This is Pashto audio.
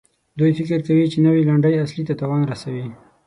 دوی فکر کوي چې نوي لنډۍ اصلي ته تاوان رسوي.